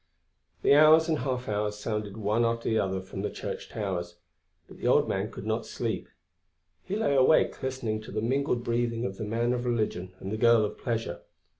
The hours and half hours sounded one after the other from the church towers, but the old man could not sleep; he lay awake listening to the mingled breathing of the man of religion and the girl of pleasure.